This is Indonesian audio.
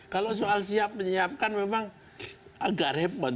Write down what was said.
kalau soal siap menyiapkan memang agak repot